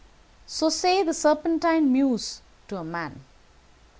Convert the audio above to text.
So say the Serpentine Mews, to a man.